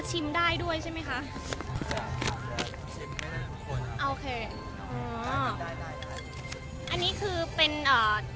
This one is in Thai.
ได้อ๋อชิมได้ด้วยใช่ไหมคะอ๋อโอเคอ๋ออันนี้คือเป็นอ่า